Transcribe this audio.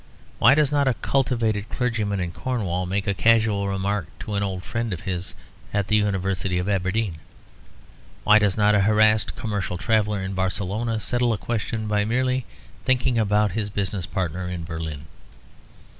Why does not a cultivated clergyman in Cornwall make a casual remark to an old friend of his at the University of Aberdeen? Why does not a harassed commercial traveller in Barcelona settle a question by merely thinking about his business partner in Berlin?